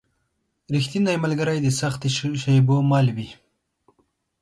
رښتینی ملګری د سختو شېبو مل وي.